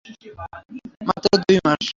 মাত্র দুই মাস?